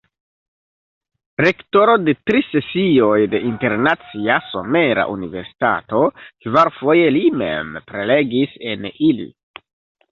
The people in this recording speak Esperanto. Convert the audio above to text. Rektoro de tri sesioj de Internacia Somera Universitato, kvarfoje li mem prelegis en ili.